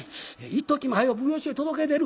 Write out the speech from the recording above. いっときも早う奉行所へ届け出る。